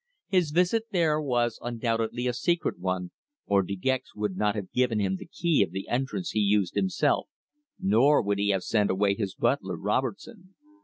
His visit there was undoubtedly a secret one, or De Gex would not have given him the key of the entrance he used himself, nor would he have sent away his butler, Robertson.